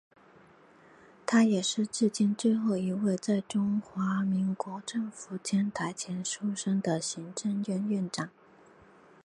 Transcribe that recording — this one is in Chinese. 他也是至今最后一位在中华民国政府迁台前出生的行政院院长。